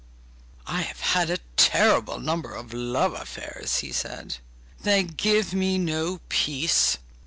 'I have had a terrible number of love affairs!' he said. 'They give me no peace.